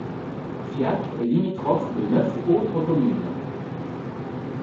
Fiac est limitrophe de neuf autres communes.